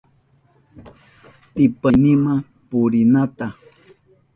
Tipaynima purinata,